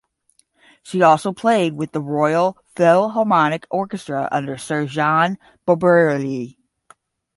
She also played with the Royal Philharmonic Orchestra under Sir John Barbirolli.